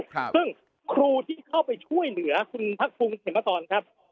ซึ่งครูที่เข้าไปช่วยเหลือคุณพักภูมิเข็มมาสอนครับ